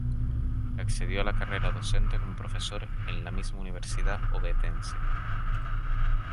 Accedió a la carrera docente como profesor en la misma universidad ovetense.